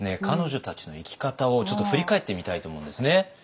彼女たちの生き方を振り返ってみたいと思うんですね。